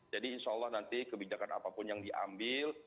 jadi insyaallah nanti kebijakan apapun yang diambil